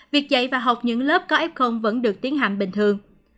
việc dạy và học những lớp có f vẫn được tiến hành bình thường